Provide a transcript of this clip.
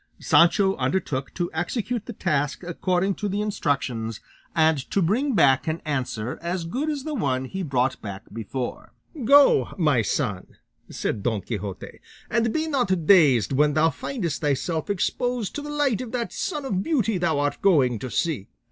Sancho undertook to execute the task according to the instructions, and to bring back an answer as good as the one he brought back before. "Go, my son," said Don Quixote, "and be not dazed when thou findest thyself exposed to the light of that sun of beauty thou art going to seek.